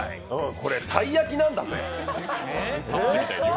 これ、鯛焼きなんだぜぃ。